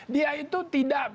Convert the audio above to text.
dia itu tidak